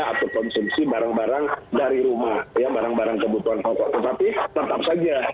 atau konsumsi barang barang dari rumah barang barang kebutuhan pokok tetapi tetap saja